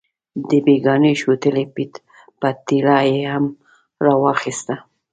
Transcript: د بېګانۍ شوتلې پتیله یې هم راواخیسته.